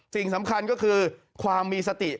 สิ่งสำคัญก็คือความมีสติ